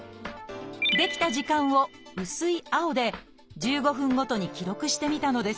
できた時間を薄い青で１５分ごとに記録してみたのです。